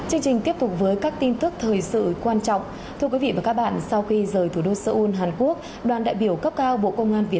hãy đăng ký kênh để ủng hộ kênh của chúng mình nhé